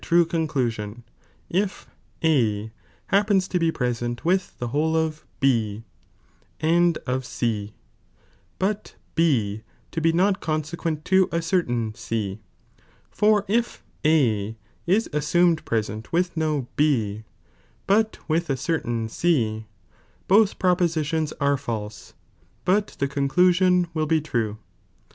true conclusion, if A happens to be present with the whole of B and of C, but B to be not consequent to a certain C, for if A is aasumed present with no B, but with a certain C, both propoaitions are false, but the coBcluaion will be true.